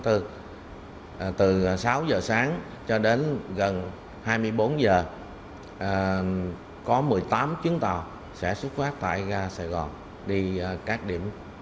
từ sáu giờ sáng cho đến gần hai mươi bốn giờ có một mươi tám chuyến tàu sẽ xuất phát tại ga sài gòn đi các điểm